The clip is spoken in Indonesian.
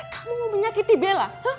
kamu mau menyakiti bella